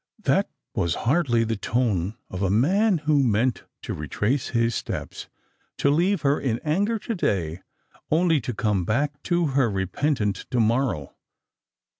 That was hardly the tone of a man who meant to retrace Lis steps — to leave her in anger to day, only to come back to her repentant to morrow.